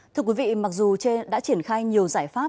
thưa quý vị mặc dù đã triển khai nhiều giải pháp